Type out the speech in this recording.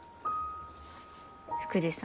福治さん